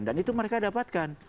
dan itu mereka dapatkan